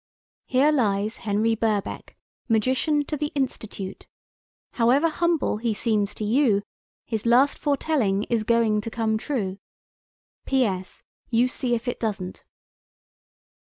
"HERE LIES HENRY BIRKBECK, MAGICIAN TO THE INSTITUTE, However humble he seems to you, His last foretelling is going to come true. P.S.—You see if it doesn't."